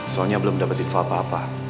soalnya belum dapat info apa apa